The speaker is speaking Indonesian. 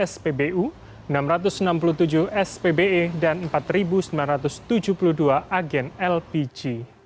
spbu enam ratus enam puluh tujuh spbe dan empat sembilan ratus tujuh puluh dua agen lpg